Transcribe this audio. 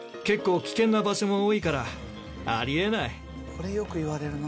これよく言われるな